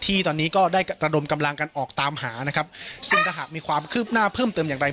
ที่ตอนนี้ก็ได้ระดมกำลังกันออกตามหานะครับซึ่งถ้าหากมีความคืบหน้าเพิ่มเติมอย่างไร